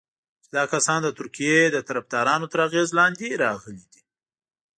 چې دا کسان د ترکیې د طرفدارانو تر اغېز لاندې راغلي دي.